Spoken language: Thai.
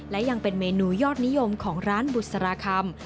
และยังเป็นเมนูยอดนิยมของร้านบุษราคำ